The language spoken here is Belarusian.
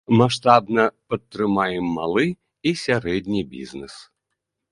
Маштабна падтрымаем малы і сярэдні бізнэс.